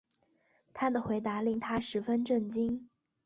他的回答令她十分震惊